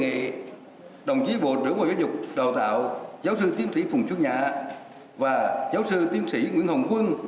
hôm nay tôi đề nghị đồng chí bộ trưởng bộ giáo dục đào tạo giáo sư tiến sĩ phùng xuân nhã và giáo sư tiến sĩ nguyễn hồng quân